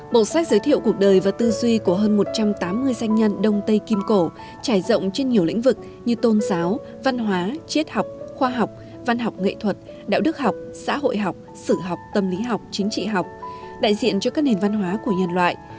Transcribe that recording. bộ sách giới thiệu cuộc đời và tư duy của hơn một trăm tám mươi doanh nhân đông tây kim cổ trải rộng trên nhiều lĩnh vực như tôn giáo văn hóa triết học khoa học văn học nghệ thuật đạo đức học xã hội học sử học tâm lý học chính trị học đại diện cho các nền văn hóa của nhân loại